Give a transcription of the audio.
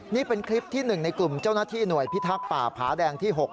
นี่เป็นคลิปที่๑ในกลุ่มเจ้าหน้าที่หน่วยพิทักษ์ป่าผาแดงที่๖